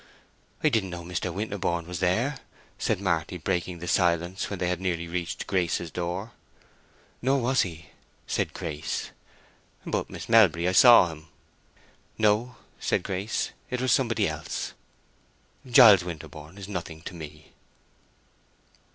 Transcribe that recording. "I didn't know Mr. Winterborne was there," said Marty, breaking the silence when they had nearly reached Grace's door. "Nor was he," said Grace. "But, Miss Melbury, I saw him." "No," said Grace. "It was somebody else. Giles Winterborne is nothing to me."